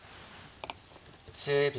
１０秒。